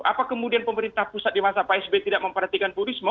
apa kemudian pemerintah pusat di masa pak sby tidak memperhatikan bu risma